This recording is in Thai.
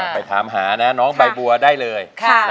ไปถามหานะน้องใบบัวได้เลย